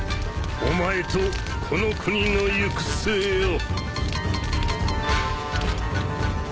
お前とこの国の行く末を。